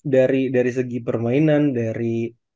dari segi permainan dari